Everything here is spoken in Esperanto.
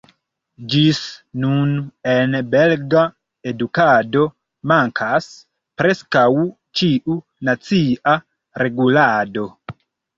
Ĝis nun en belga edukado mankas preskaŭ ĉiu nacia regulado.